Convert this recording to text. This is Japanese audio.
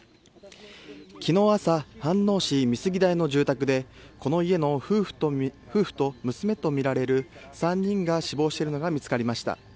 きのう朝、飯能市美杉台の住宅で、この家の夫婦と娘と見られる３人が死亡しているのが見つかりました。